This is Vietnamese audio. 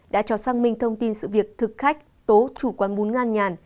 đã cho sang minh thông tin sự việc thực khách tố chủ quán bún ngăn nhàn